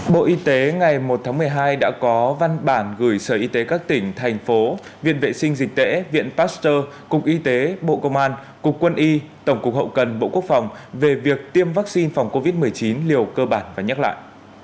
bộ y tế ngày một tháng một mươi hai đã có văn bản gửi sở y tế các tỉnh thành phố viện vệ sinh dịch tễ viện pasteur cục y tế bộ công an cục quân y tổng cục hậu cần bộ quốc phòng về việc tiêm vaccine phòng covid một mươi chín liều cơ bản và nhắc lại